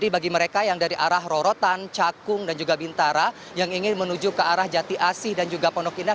bagi mereka yang dari arah rorotan cakung dan juga bintara yang ingin menuju ke arah jati asih dan juga pondok indah